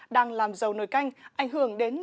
đang làm dầu nồi canh